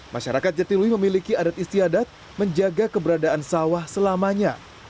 masyarakat jatilui memiliki adat istiadat menjaga keberadaan sawah selamanya